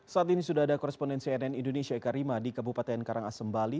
saat ini sudah ada koresponden cnn indonesia eka rima di kabupaten karangasem bali